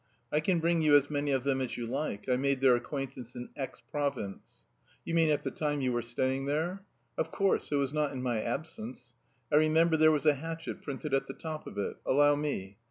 "I can bring you as many of them as you like; I made their acquaintance in X province." "You mean at the time you were staying there?" "Of course, it was not in my absence. I remember there was a hatchet printed at the top of it. Allow me."